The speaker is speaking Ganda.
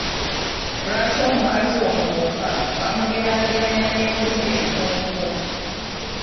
Lwaki omukazi omugumba bamugeraageranya n’embuzi enkunku?